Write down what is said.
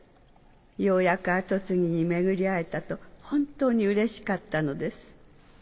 ようやく跡継ぎに巡り合えたと本当にうれしかったのです。